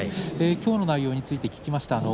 きょうの内容について聞きました。